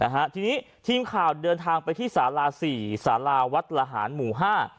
ทีนี้ทีมข่าวเดินทางไปที่สาลา๔สาลาวัดระหารหมู่๕